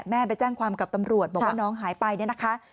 แม่ไปแจ้งความกับตำรวจบอกว่าน้องหายไปเนี่ยนะคะ